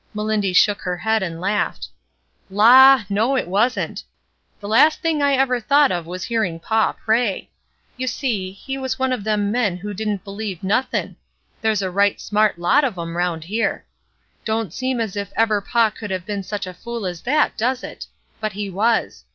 Mehndy shook her head and laughed. "La! no, it wa'n't. The last thing I ever thought of was hearing paw pray. You see, he was one of them men who didn't beUeve nothin' ; there's a right smart lot of 'em round here. Don't seem as if ever paw could have been such a fool as that, does it? But he was.